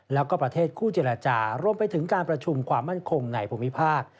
แล้วก็ประเทศคู่เจรจารวมไปถึงการประชุมความมั่นคงในภูมิภาค